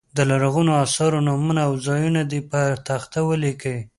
د لرغونو اثارو نومونه او ځایونه دې په تخته ولیکي.